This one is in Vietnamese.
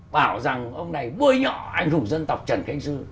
bảo rằng ông này bối nhỏ anh hùng dân tộc trần khánh dư